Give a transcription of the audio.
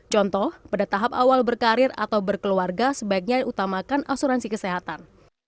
contoh pada tahap awal berkarir atau berkeluarga sebaiknya utamakan asuransi kesehatan